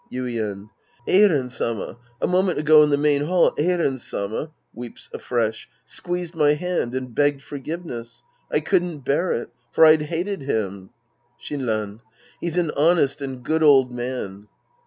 Yuien. Eiren Sama, a moment ago in the main hall, Eiren Sama {weeps afresh) squeezed my hand and begged forgiveness. I couldn't bear it. For I'd hated him. Shinran. He's an honest and good old man.